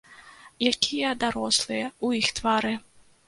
Якія дарослыя ў іх твары!